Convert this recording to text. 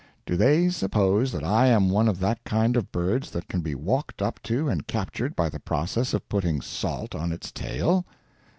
Do they suppose that I am one of that kind of birds that can be walked up to and captured by the process of putting salt on its tail?